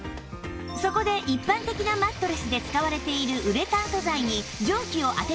そこで一般的なマットレスで使われているウレタン素材に蒸気を当ててみると